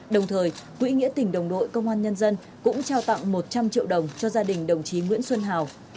đồng thời quỹ nghĩa tỉnh đồng đội công an nhân dân cũng trao tặng một trăm linh triệu đồng cho gia đình đồng chí nguyễn xuân hào